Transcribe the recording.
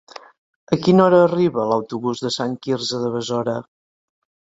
A quina hora arriba l'autobús de Sant Quirze de Besora?